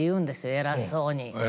偉そうに。